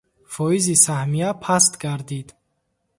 Фоизи саҳмия паст гардид.